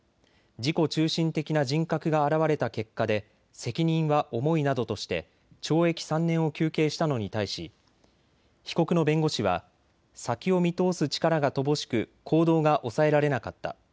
自己中心的な人格が現れた結果で責任は重いなどとして懲役３年を求刑したのに対し、被告の弁護士は先を見通す力が乏しく行動がおさえられなかった。